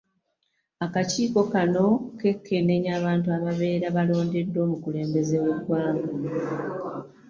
Akakiiko kano keekenneenya abantu ababeera balondeddwa omukulembeze w'eggwanga.